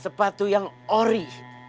sepatu yang ori